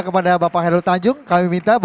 kepada bapak hairul tanjung kami minta